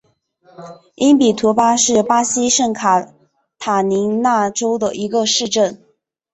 因比图巴是巴西圣卡塔琳娜州的一个市镇。